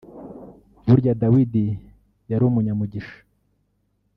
Burya Dawidi yari umunyamugisha